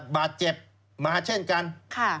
บาดเจ็บมาเช่นกัน